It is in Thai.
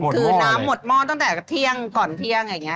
คือน้ำหมดหม้อตั้งแต่เที่ยงก่อนเที่ยงอย่างนี้